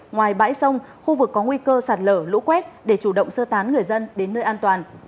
ngoài bãi sông khu vực có nguy cơ sạt lở lũ quét để chủ động sơ tán người dân đến nơi an toàn